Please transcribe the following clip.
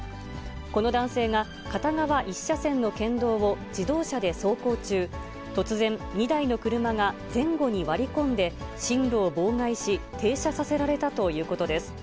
この男性が片側１車線の県道を自動車で走行中、突然、２台の車が前後に割り込んで、進路を妨害し、停車させられたということです。